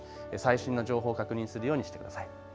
最新の情報、確認するようにしてください。